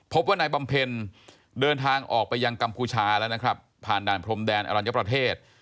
พบว่านายบำเพ็ญเดินทางออกไปยังกัมพูชาแล้วนะครับผ่านด่านพรมแดนอรัญญประเทศ